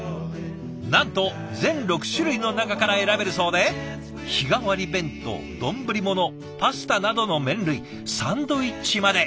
なんと全６種類の中から選べるそうで日替わり弁当丼物パスタなどの麺類サンドイッチまで。